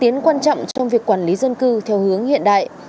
tiến quan trọng trong việc quản lý dân cư theo hướng hiện đại